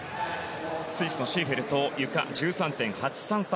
スイスのシーフェルトゆかは１３．８３３